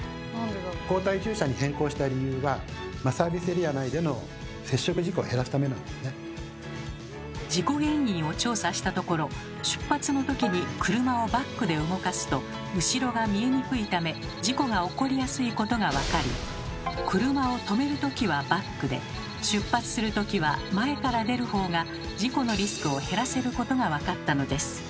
後退駐車に変更した理由は事故原因を調査したところ出発の時に車をバックで動かすと後ろが見えにくいため事故が起こりやすいことが分かり車をとめる時はバックで出発する時は前から出る方が事故のリスクを減らせることが分かったのです。